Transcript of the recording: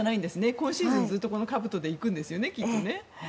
今シーズンずっと、このかぶとで行くんですよね、きっとね。